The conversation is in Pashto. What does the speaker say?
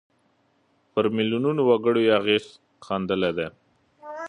پر میلیونونو وګړو یې اغېز ښندلی دی.